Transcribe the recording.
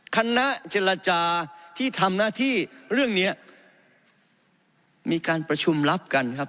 คณะเจรจาที่ทำหน้าที่เรื่องนี้มีการประชุมรับกันครับ